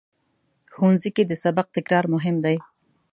ښوونځی کې د سبق تکرار مهم دی